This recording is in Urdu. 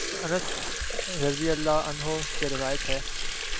حضرت انس رضی اللہ عنہ سے روایت ہے